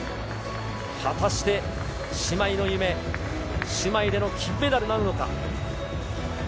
果たして姉妹の夢、姉妹での金メダルなるのか。